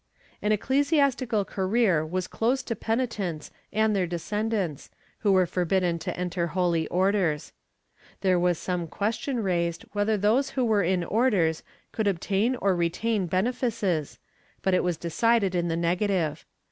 ^ An ecclesiastical career was closed to penitents and their descend ants, who were forbidden to enter holy orders. There was some question raised whether those who were in orders could obtain or retain benefices, but it was decided in the negative.